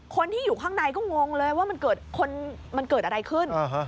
คนที่อยู่ข้างในก็งงเลยว่ามันเกิดคนมันเกิดอะไรขึ้นอ่าฮะ